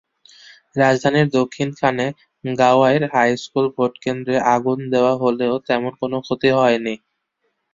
রাজধানীর দক্ষিণখানে গাওয়াইর হাইস্কুল ভোটকেন্দ্রে আগুন দেওয়া হলেও তেমন কোনো ক্ষতি হয়নি।